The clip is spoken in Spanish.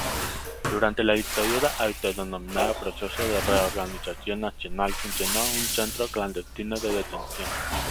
Durante la dictadura autodenominada Proceso de Reorganización Nacional funcionó un centro clandestino de detención.